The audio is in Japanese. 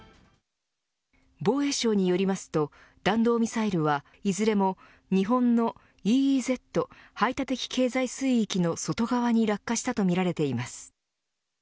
防衛省によりますと弾道ミサイルはいずれも日本のＥＥＺ排他的経済水域の外側に落下したとみられています。